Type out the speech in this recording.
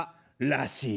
らしい。